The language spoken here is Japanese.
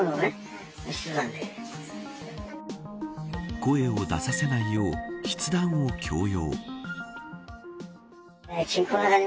声を出させないよう筆談を強要。